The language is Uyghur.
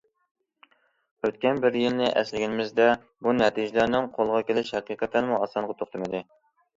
ئۆتكەن بىر يىلنى ئەسلىگىنىمىزدە، بۇ نەتىجىلەرنىڭ قولغا كېلىشى ھەقىقەتەنمۇ ئاسانغا توختىمىدى.